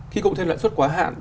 khi cộng thêm lãi suất quá hạn